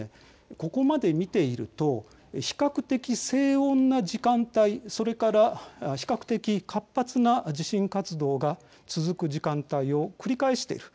ここまで見ていると比較的、静穏な時間帯それから比較的活発な地震活動が続く時間帯を繰り返している。